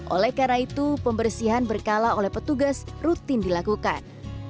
oleh karena itu pembersihan berkala oleh petugas rutin dilakukan